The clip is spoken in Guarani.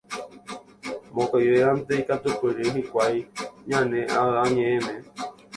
Mokõivévante ikatupyry hikuái ñane Avañe'ẽme.